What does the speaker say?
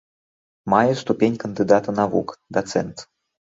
Мае ступень кандыдата навук, дацэнт.